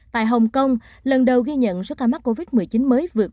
tại hồng kông lần đầu ghi nhận số ca mắc covid một mươi chín mới vượt